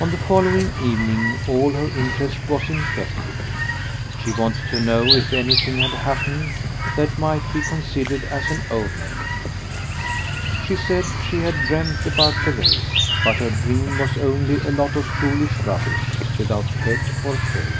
On the following evening all her interest was in Ketley. She wanted to know if anything had happened that might be considered as an omen. She said she had dreamed about the race, but her dream was only a lot of foolish rubbish without head or tail.